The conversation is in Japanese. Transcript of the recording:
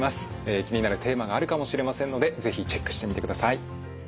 気になるテーマがあるかもしれませんので是非チェックしてみてください。